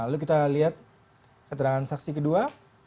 lalu kita lihat keterangan saksi kedua